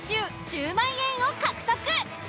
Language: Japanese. １０万円を獲得。